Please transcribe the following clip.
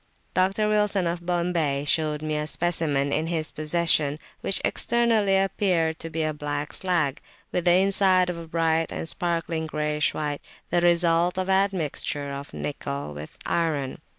Dr. Wilson, of Bombay, showed me a specimen in his possession, which externally appeared to be a black slag, with the inside of a bright and sparkling greyish white, the result of admixture of nickel [p.301] with the iron.